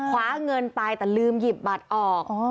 คว้าเงินไปแต่ลืมหยิบบัตรออก